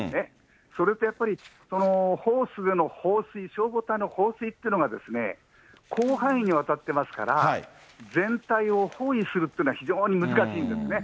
それとやっぱり、ホースでの放水、消防隊の放水っていうのが広範囲にわたってますから、全体を包囲するっていうのは、非常に難しいんですね。